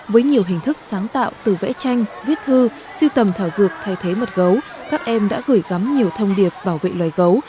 với nhiều hình thức sáng tạo từ vẽ tranh viết thư siêu tầm thảo dược thay thế mật gấu các em đã gửi gắm nhiều thông điệp bảo vệ loài gấu